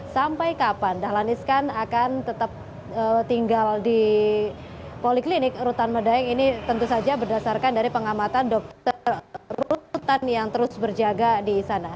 sampai kapan dahlan iskan akan tetap tinggal di poliklinik rutan medaeng ini tentu saja berdasarkan dari pengamatan dokter rutan yang terus berjaga di sana